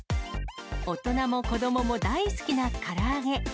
大人も子どもも大好きなから揚げ。